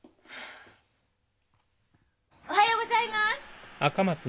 おはようございます！